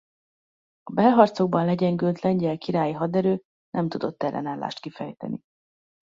A belharcokban legyengült lengyel királyi haderő nem tudott ellenállást kifejteni.